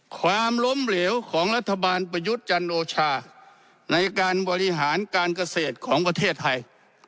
ความล้มเหลวของรัฐบาลประยุทธ์จันโอชาในการบริหารการเกษตรของประเทศไทย